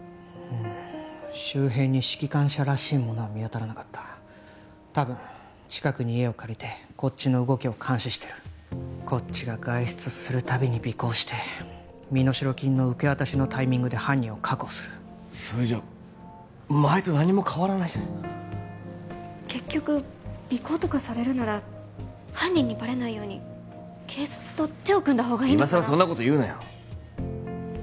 うん周辺に指揮官車らしいものは見当たらなかったたぶん近くに家を借りてこっちの動きを監視してるこっちが外出する度に尾行して身代金の受け渡しのタイミングで犯人を確保するそれじゃ前と何も変わらないじゃないか結局尾行とかされるなら犯人にバレないように警察と手を組んだ方がいいのかな今さらそんなこと言うなよ！